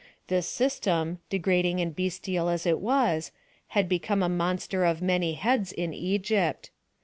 This system, degrading and bestial as it was, had become a monster of many heads in Egypt.